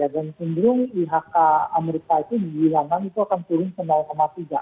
dan sejumlah ihk amerika itu di wilayah nang itu akan turun ke tiga